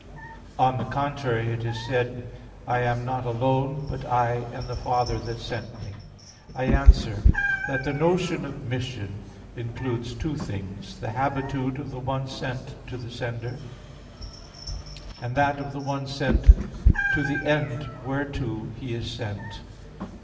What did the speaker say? On the contrary, It is said (John 8:16): "I am not alone, but I and the Father that sent Me." I answer that, the notion of mission includes two things: the habitude of the one sent to the sender; and that of the one sent to the end whereto he is sent.